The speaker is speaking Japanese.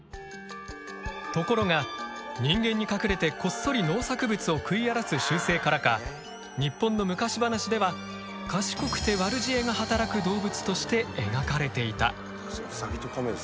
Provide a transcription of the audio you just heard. ところが人間に隠れてこっそり農作物を食い荒らす習性からか日本の昔話ではとして描かれていた。